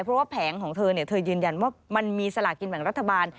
เพราะว่าแผงของเธอเธอยืนยันว่ามันมีสลากินแบ่งรัฐบาล